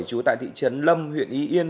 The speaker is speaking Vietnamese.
chủ tại thị trấn lâm huyện y yên